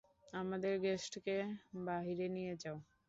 আমাদের গেস্টকে বাহিরে নিয়ে যাও।